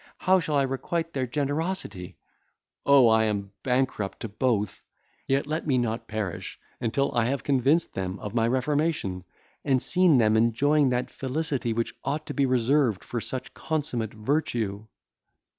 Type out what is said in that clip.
how shall I requite their generosity! Oh, I am bankrupt to both! yet let me not perish until I shall have convinced them of my reformation, and seen them enjoying that felicity which ought to be reserved for such consummate virtue."